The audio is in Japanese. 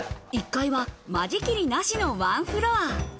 １階は間仕切りなしのワンフロア。